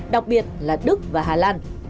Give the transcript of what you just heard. đó là đức và hà lan